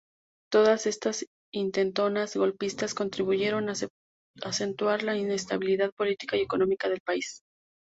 Todas estas intentonas golpistas contribuyeron a acentuar la inestabilidad política y económica del país.